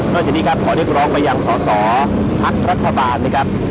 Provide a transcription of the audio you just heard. นอกจากนี้ครับขอเรียกร้องไปอย่างสอภักด์รัฐบาลนะครับ